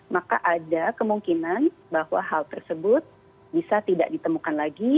maka ada kemungkinan bahwa hal tersebut bisa tidak ditemukan lagi